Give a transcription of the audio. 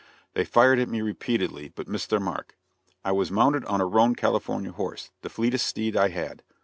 They fired at me repeatedly, but missed their mark. I was mounted on a roan California horse the fleetest steed I had.